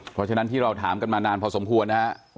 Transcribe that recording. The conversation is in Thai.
เพราะฉะนั้นที่เราถามกันมานานพอสมควรนะครับ